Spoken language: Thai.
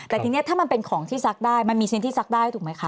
แต่ทีนี้ถ้ามันเป็นของที่ซักได้มีชนิดที่ซักได้